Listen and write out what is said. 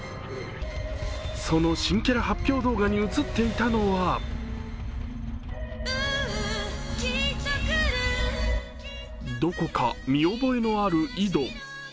その新キャラ発表動画に映っていたのはどこか見覚えのある井戸。